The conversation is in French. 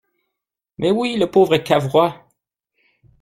Mais oui, le pauvre Cavrois!